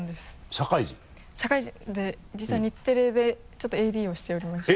社会人？社会人で実は日テレでちょっとＡＤをしておりまして。